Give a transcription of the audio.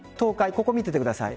ここを見ていてください。